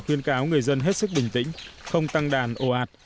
khuyên cáo người dân hết sức bình tĩnh không tăng đàn ồ ạt